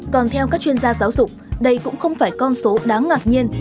còn theo các chuyên gia giáo dục đây cũng không phải con số đáng ngạc nhiên